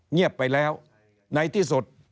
เงียบไปแล้วในที่สุด